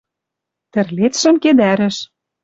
Тӹрлецшӹм кедӓрӹш